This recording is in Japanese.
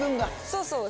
そうそう。